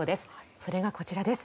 それがこちらです。